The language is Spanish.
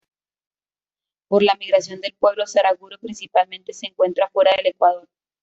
Por la migración del pueblo Saraguro principalmente se encuentra fuera del Ecuador.